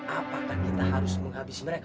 apakah kita harus menghabis mereka